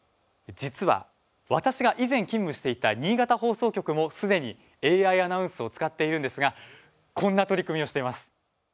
実は、私が以前勤務していた新潟放送局もすでにＡＩアナウンスを使っているんですがこんな取り組みをしてます。